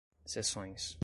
sessões